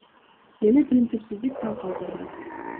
Мени принципсиздик таң калтырды.